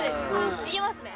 いけますね。